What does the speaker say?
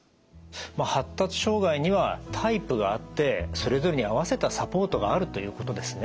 まあ発達障害にはタイプがあってそれぞれに合わせたサポートがあるということですね。